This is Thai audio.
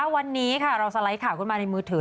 วันนี้ค่ะเราสไลด์ข่าวขึ้นมาในมือถือ